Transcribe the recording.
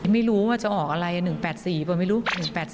ไม่รู้ว่าจะออกอะไร๑๘๔ป่ะไม่รู้๑๘๔